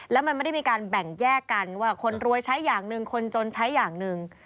แล้วมันไม่ได้มีการแบ่งแยกกันว่าคนรวยใช้อย่างหนึ่งคนจนใช้อย่างหนึ่ง